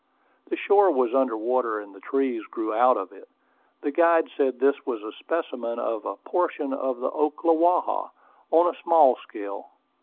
The shore was under water, and the trees grew out of it. The guide said this was a specimen of a portion of the Ocklawaha, on a small scale.